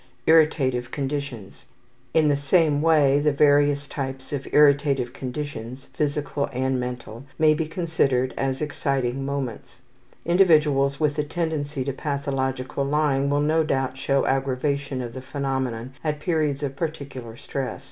Irritative Conditions. In the same way the various types of irritative conditions, physical and mental, may be considered as exciting moments. Individuals with a tendency to pathological lying will no doubt show aggravation of the phenomenon at periods of particular stress.